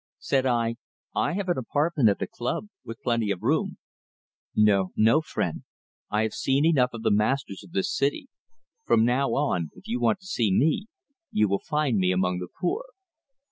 Said I: "I have an apartment at the club, with plenty of room " "No, no, friend. I have seen enough of the masters of this city. From now on, if you want to see me, you will find me among the poor."